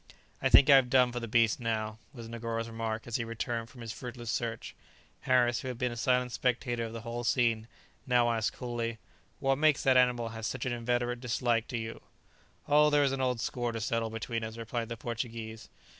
"I think I have done for the beast now," was Negoro's remark as he returned from his fruitless search. Harris, who had been a silent spectator of the whole scene, now asked coolly, "What makes that animal have such an inveterate dislike to you?" "Oh, there is an old score to settle between us," replied the Portuguese.